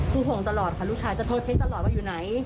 คือห่วงตลอดค่ะลูกชายจะโทรเช็คตลอดว่าอยู่ไหน